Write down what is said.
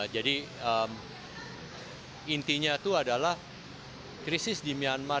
jadi intinya itu adalah krisis di myanmar